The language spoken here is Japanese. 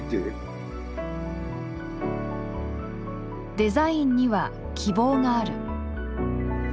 「デザインには希望がある」。